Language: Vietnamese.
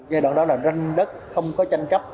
gây đoạn đó là đất không có tranh cấp